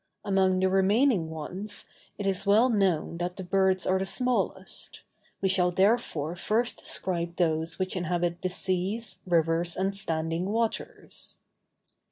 Among the remaining ones, it is well known that the birds are the smallest; we shall therefore first describe those which inhabit the seas, rivers, and standing waters.